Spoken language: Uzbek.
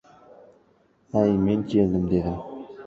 — Ay, men keldim? — dedim.